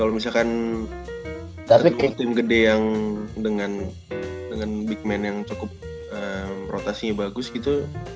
kalau misalkan tim gede yang dengan big man yang cukup rotasinya bagus gitu